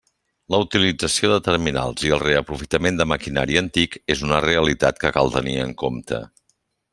La utilització de terminals i el reaprofitament de maquinari antic és una realitat que cal tenir en compte.